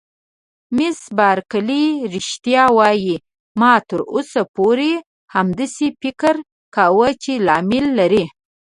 مس بارکلي: رښتیا وایې؟ ما تر اوسه پورې همداسې فکر کاوه چې لامل لري.